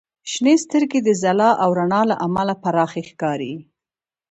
• شنې سترګې د ځلا او رڼا له امله پراخې ښکاري.